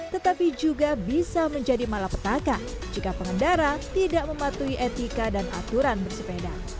tetapi juga bisa menjadi malapetaka jika pengendara tidak mematuhi etika dan aturan bersepeda